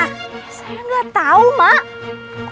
saya gak tau mak